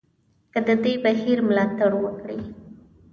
که د دې بهیر ملاتړ وکړي.